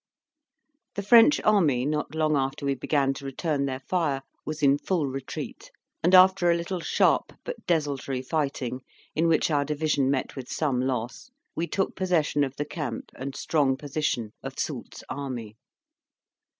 The French army, not long after we began to return their fire, was in full retreat; and after a little sharp, but desultory fighting, in which our Division met with some loss, we took possession of the camp and strong position of Soult's army.